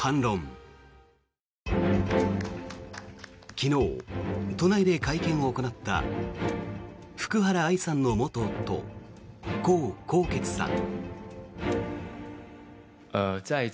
昨日、都内で会見を行った福原愛さんの元夫コウ・コウケツさん。